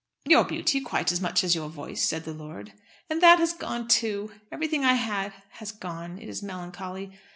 "Your beauty quite as much as your voice," said the lord. "And that has gone too. Everything I had has gone. It is melancholy!